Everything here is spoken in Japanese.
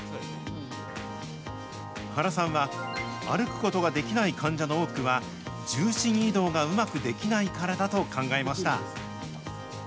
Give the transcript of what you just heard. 原さんは、歩くことができない患者の多くは、重心移動がうまくできないからだと考えました。